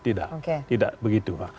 tidak tidak begitu